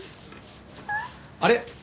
あれ？